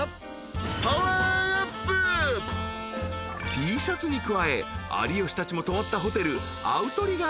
［Ｔシャツに加え有吉たちも泊まったホテル］